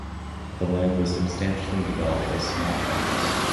The land was subsequently developed as small farms.